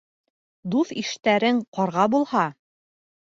Дуҫ-иштәрең ҡарға булһа